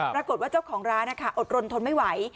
ปรากฏว่าเจ้าของร้านอดรนทนไม่ไหว